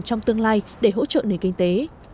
trong tương lai để hỗ trợ nền kinh tế